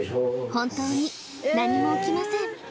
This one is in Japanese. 本当に何も起きません